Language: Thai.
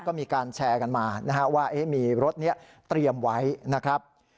ก็มีการแชร์กันมานะฮะว่ามีรถนี้เตรียมไว้นะครับ